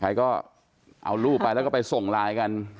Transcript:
ใครก็เอารูปไปแล้วก็ไปส่งไลน์กัน